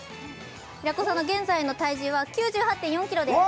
平子さんの現在の体重は９８．４ｋｇですわ！